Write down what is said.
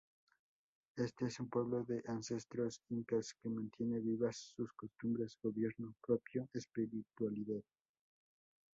Este es un pueblo de ancestros Incas que mantiene vivas sus costumbres, gobierno propio, espiritualidad.